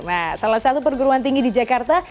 nah salah satu perguruan tinggi di jakarta